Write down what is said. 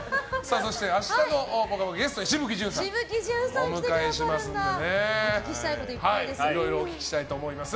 そして、明日のぽかぽかゲスト紫吹淳さんをお迎えしますのでいろいろお聞きしたいと思います。